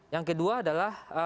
yang kedua adalah